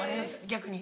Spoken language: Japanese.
逆に。